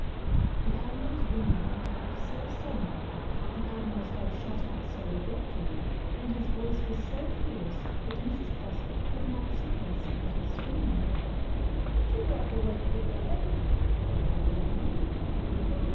The Admiral's window went up so suddenly, the Admiral's head shot out so abruptly, and his voice was so fierce, that Mrs. Poskett could not suppress a little scream. "D'ye want to wake the dead?" roared the Admiral.